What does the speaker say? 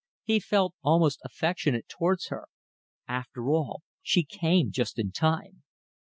He felt almost affectionate towards her. After all, she came just in time.